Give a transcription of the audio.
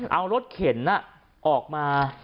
เอารถเข็นออกมา